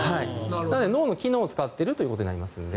脳の機能を使っているということになりますので。